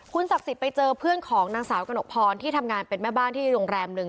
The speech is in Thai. ศักดิ์สิทธิ์ไปเจอเพื่อนของนางสาวกระหนกพรที่ทำงานเป็นแม่บ้านที่โรงแรมหนึ่ง